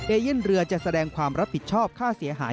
เย่นเรือจะแสดงความรับผิดชอบค่าเสียหาย